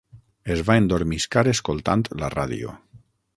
Es va endormiscar escoltant la ràdio.